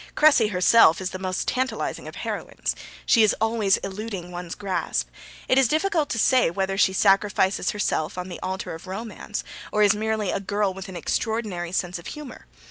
Cressy herself is the most tantalising of heroines. She is always eluding one's grasp. It is difficult to say whether she sacrifices herself on the altar of romance, or is merely a girl with an extraordinary sense of humour.